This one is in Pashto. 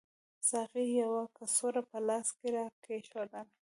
ساقي یوه کڅوړه په لاس کې راکېښودل.